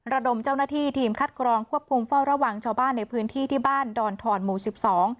ระดมเจ้าหน้าที่ทีมคัดกรองควบคุมเฝ้าระวังชาวบ้านในพื้นที่ที่บ้านดอนทอนหมู่สิบสอง